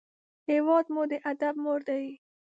هېواد مو د ادب مور دی